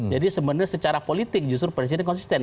jadi sebenarnya secara politik justru presiden konsisten